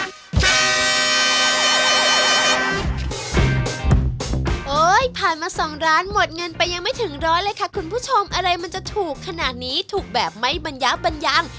ผ่านมา๒ร้านหมดเงินไปยังไม่ถึงร้อยเลยค่ะคุณผู้ชมอะไรมันจะถูกขนาดนี้ถูกแบบไม่บรรยะบัญญัง